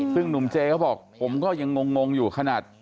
ซึ่งหนุ่มเจเขาบอกผมก็ยังงงอยู่ขนาด